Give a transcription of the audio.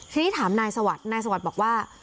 ทีนี้ถามนายสวัสดิ์นายสวัสดิ์บอกว่า